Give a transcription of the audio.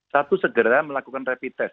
satu segera melakukan rapid test